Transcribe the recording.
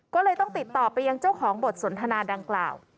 ก็เลยต้องติดต่อไปยังเจ้าของบทสนทนาดังกล่าว